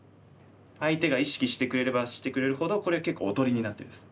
相手が意識してくれればしてくれるほどこれが結構おとりになってるんです。